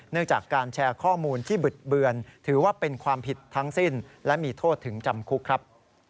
จากการแชร์ข้อมูลที่บึดเบือนถือว่าเป็นความผิดทั้งสิ้นและมีโทษถึงจำคุกครับ